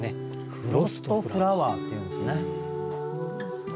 フロストフラワーっていうんですね。